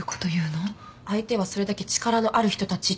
相手はそれだけ力のある人たちってことです。